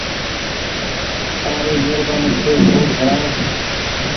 تآري مهربآني ڇي ڪوڊ سوڻآئي۔